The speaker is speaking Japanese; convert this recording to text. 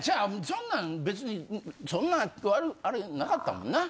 そんなん別にそんな悪あれなかったもんな？